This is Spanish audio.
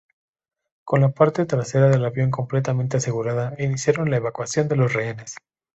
Con la parte trasera del avión completamente asegurada, iniciaron la evacuación de los rehenes.